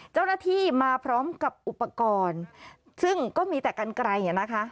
เจ้าหน้าที่มาพร้อมกับอุปกรณ์ซึ่งก็มีแต่กันไกลนะคะ